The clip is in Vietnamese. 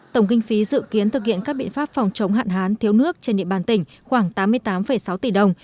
tổng kinh phí dự kiến thực hiện các biện pháp phòng chống hạn hán thiếu nước trên địa bàn tỉnh khoảng tám mươi tám sáu tỷ đồng